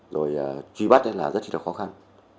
rồi truy bắt rất là khó khăn